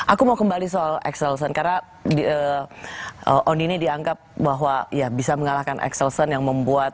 aku mau kembali soal excelson karena on ini dianggap bahwa ya bisa mengalahkan excelson yang membuat